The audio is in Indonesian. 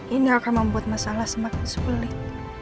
ini akan membuat masalah semakin sulit